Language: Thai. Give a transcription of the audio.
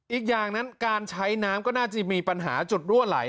อีกอย่างนั้นการใช้น้ำก็น่าจะมีปัญหาจุดรั่วไหล